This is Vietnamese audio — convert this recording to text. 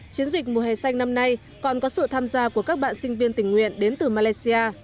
chiến dịch mùa hè xanh năm nay còn có sự tham gia của các bạn sinh viên tình nguyện đến từ malaysia